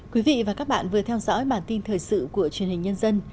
quý vị và các bạn vừa theo dõi bản tin thời sự của truyền hình nhân dân